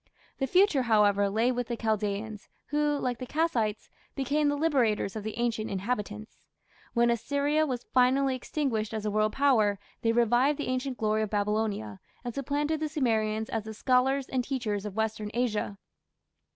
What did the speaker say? The future, however, lay with the Chaldaeans, who, like the Kassites, became the liberators of the ancient inhabitants. When Assyria was finally extinguished as a world power they revived the ancient glory of Babylonia, and supplanted the Sumerians as the scholars and teachers of Western Asia.